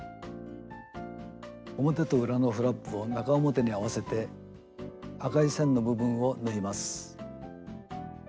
表と裏のフラップを中表に合わせて赤い線の部分を縫います。